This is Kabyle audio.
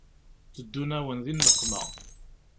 Teddun-awen di nneqma